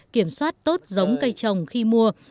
kiểm soát tốt giống cây trồng khi mua